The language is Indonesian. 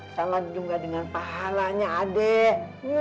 salah juga dengan pahalanya adik